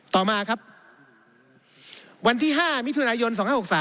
ต่อมาครับวันที่๕มิถุนายน๒๕๖๓